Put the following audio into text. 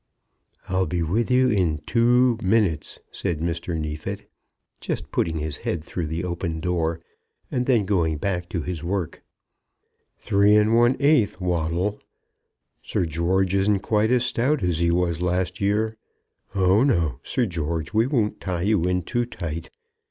"I'll be with you in two minutes," said Mr. Neefit, just putting his head through the open door, and then going back to his work; "3 1 1/8, Waddle; Sir George isn't quite as stout as he was last year. Oh, no, Sir George; we won't tie you in too tight.